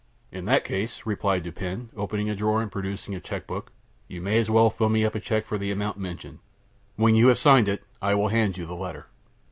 "In that case," replied Dupin, opening a drawer, and producing a check book, "you may as well fill me up a check for the amount mentioned. When you have signed it, I will hand you the letter."